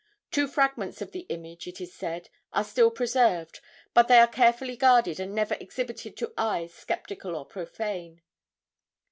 Two fragments of the image, it is said, are still preserved, but they are carefully guarded and never exhibited to eyes sceptical or profane.